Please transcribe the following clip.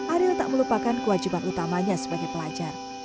ariel tak melupakan kewajiban utamanya sebagai pelajar